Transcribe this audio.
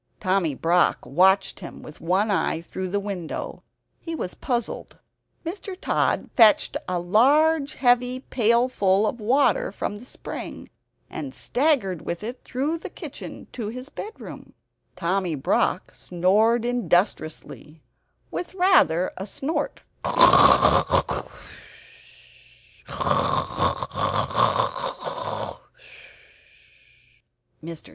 Tommy Brock watched him with one eye, through the window. He was puzzled. Mr. Tod fetched a large heavy pailful of water from the spring, and staggered with it through the kitchen into his bedroom. Tommy Brock snored industriously, with rather a snort.